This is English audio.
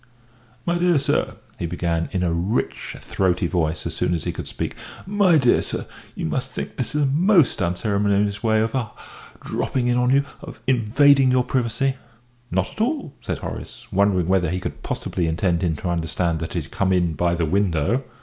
"My dear sir," he began, in a rich, throaty voice, as soon as he could speak; "my dear sir, you must think this is a most unceremonious way of ah! dropping in on you of invading your privacy." "Not at all," said Horace, wondering whether he could possibly intend him to understand that he had come in by the window.